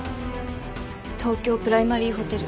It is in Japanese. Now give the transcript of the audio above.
東京プライマリーホテル。